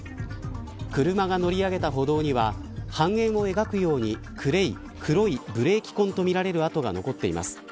車が乗り上げた歩道には半円を描くように黒いブレーキ痕とみられる跡が残っています。